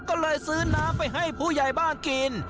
ก็เลยซื้อน้ำไปให้ผู้ใหญ่บ้านกิน